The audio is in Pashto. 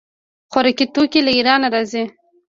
خوراکي توکي له ایران راځي.